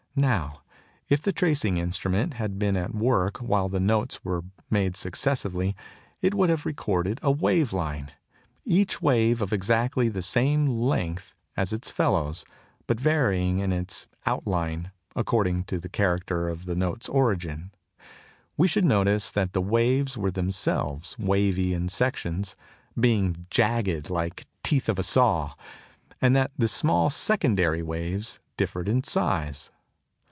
Now, if the tracing instrument had been at work while the notes were made successively it would have recorded a wavy line, each wave of exactly the same length as its fellows, but varying in its outline according to the character of the note's origin. We should notice that the waves were themselves wavy in section, being jagged like the teeth of a saw, and that the small secondary waves differed in size.